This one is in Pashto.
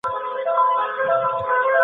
ایا په سهار کي د شیدو سره د هګۍ خوړل مقوی دي؟